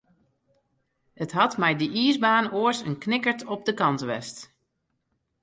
It hat mei dy iisbaan oars in knikkert op de kant west.